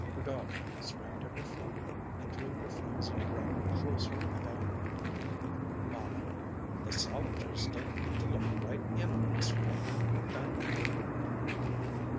Her daughter sprang to her feet and drew her filmy wrapper closer about her. "Mamma, the Solingers don't need to look right in on us from their dining room."